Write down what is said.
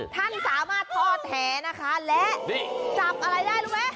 ท่านสามารถทอดแหนะคะและจับอะไรได้รู้ไหม